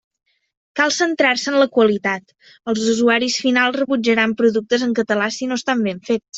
Cal centrar-se en la qualitat: els usuaris finals rebutjaran productes en català si no estan ben fets.